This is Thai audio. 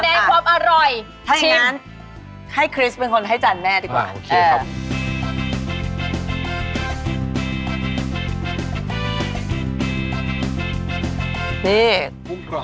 คาโดยความอร่อยชิฟว์ถ้านั้นให้เครีสเป็นคนให้จันแน่ดีกว่า